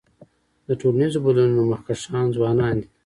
د ټولنیزو بدلونونو مخکښان ځوانان دي.